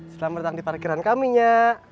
selamat datang di parkiran kami nya